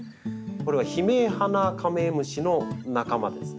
これはヒメハナカメムシの仲間ですね。